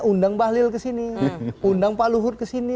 untungnya undang pak luhut ke sini